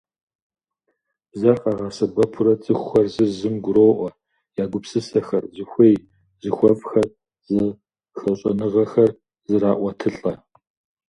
Бзэр къагъэсэбэпурэ цӀыхухэр зыр зым гуроӀуэ, я гупсысэхэр, зыхуей–зыхуэфӀхэр, зэхэщӀэныгъэхэр зэраӀуэтылӀэ.